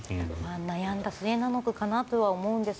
悩んだ末なのかなと思うんです。